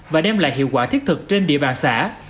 và đem lại hiệu quả thiết thực trên địa bàn xã